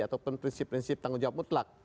ataupun prinsip prinsip tanggung jawab mutlak